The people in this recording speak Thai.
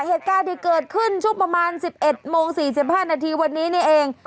เหตุการณ์ที่เกิดขึ้นช่วงประมาณ๑๑โมง๔๕นาทีวันนี้นี่เอง